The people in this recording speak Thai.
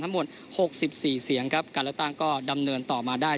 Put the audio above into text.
ทั้งหมด๖๔เสียงครับการเลือกตั้งก็ดำเนินต่อมาได้